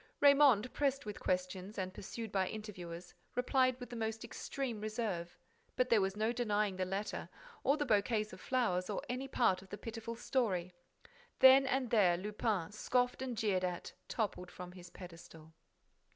Raymonde, pressed with questions and pursued by interviewers, replied with the most extreme reserve. But there was no denying the letter, or the bouquets of flowers, or any part of the pitiful story! Then and there, Lupin, scoffed and jeered at, toppled from his pedestal.